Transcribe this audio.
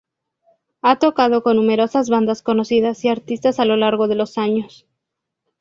Ha tocado con numerosas bandas conocidas y artistas a lo largo de los años.